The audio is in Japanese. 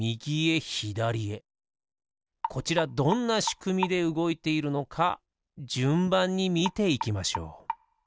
こちらどんなしくみでうごいているのかじゅんばんにみていきましょう。